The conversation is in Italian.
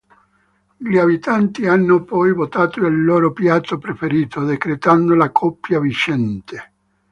Gli abitanti hanno poi votato il loro piatto preferito, decretando la coppia vincente.